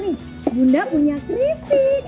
nih bunda punya keripik